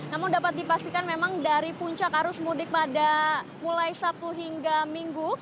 namun dapat dipastikan memang dari puncak arus mudik pada mulai sabtu hingga minggu